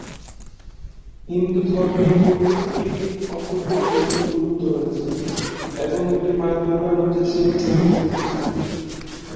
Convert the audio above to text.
হিন্দু ধর্মে এই মন্দিরটির অত্যন্ত ধর্মীয় গুরুত্ব রয়েছে এবং এটি মা দুর্গার উদ্দেশ্যে উত্সর্গীকৃত।